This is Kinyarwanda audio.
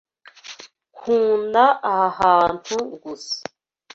Nkunda aha hantu gusa.